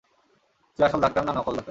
তুই আসল ডাক্তার না নকল ডাক্তার?